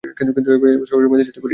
কিন্তু এইবার শহরের মেয়ের সাথে করিয়েছি।